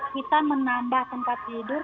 kita menambah tempat tidur